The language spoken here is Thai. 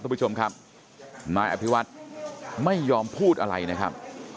คุณผู้ชมครับนายอภิวัตไม่ยอมพูดอะไรนะครับ